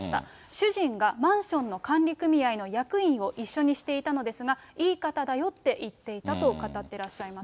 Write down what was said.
主人がマンションの管理組合の役員を一緒にしていたのですが、いい方だよって言っていたと語ってらっしゃいます。